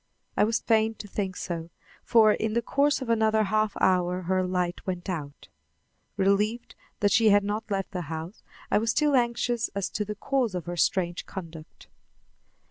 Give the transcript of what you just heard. I was fain to think so, for in the course of another half hour her light went out. Relieved that she had not left the house, I was still anxious as to the cause of her strange conduct.